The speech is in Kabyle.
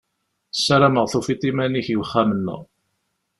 Ssarameɣ tufiḍ iman-ik deg uxxam-nneɣ.